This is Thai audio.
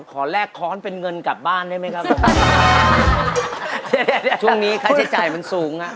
แลกค้อนเป็นเงินกลับบ้านได้ไหมครับผมช่วงนี้ค่าใช้จ่ายมันสูงอ่ะ